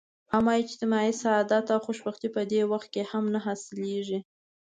اما اجتماعي سعادت او خوشبختي په دې وخت هم نه حلاصیږي.